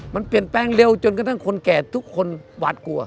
มันเปลี่ยนแปลงเร็วจนกระทั่งคนแก่ทุกคนหวาดกลัว